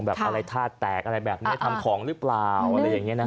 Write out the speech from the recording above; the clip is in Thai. อะไรธาตุแตกอะไรแบบนี้ทำของหรือเปล่าอะไรอย่างนี้นะ